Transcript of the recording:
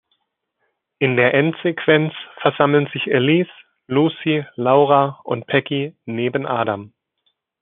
In der Endsequenz versammeln sich Alice, Lucy, Laura und Peggy neben Adam.